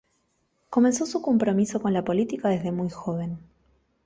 Comenzó su compromiso con la política desde muy joven.